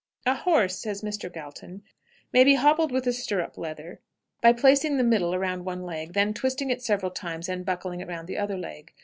"A horse," says Mr. Galton, "may be hoppled with a stirrup leather by placing the middle around one leg, then twisting it several times and buckling it round the other leg.